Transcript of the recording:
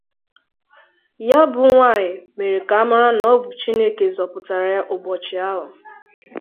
Ya bụ nwaanyị mere ka a mara na ọ bụ Chineke zọpụtara ya ụbọchị ahụ